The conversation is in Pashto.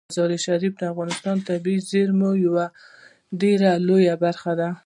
مزارشریف د افغانستان د طبیعي زیرمو یوه ډیره لویه برخه ده.